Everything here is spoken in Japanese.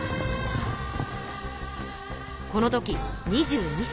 この時２２さい。